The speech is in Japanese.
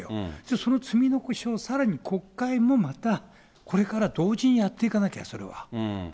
その積み残しをさらに国会もまた、これから同時にやっていかなきゃ、それは。